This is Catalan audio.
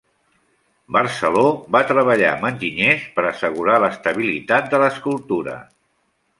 Barceló va treballar amb enginyers per assegurar l'estabilitat de l'escultura.